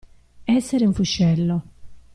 Essere un fuscello.